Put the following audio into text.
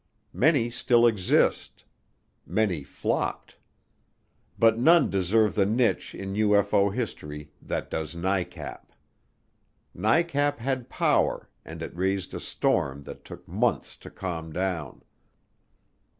Many still exist; many flopped. But none deserve the niche in UFO history that does NICAP. NICAP had power and it raised a storm that took months to calm down.